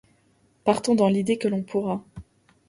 Partons dans l'idée que l'on pourra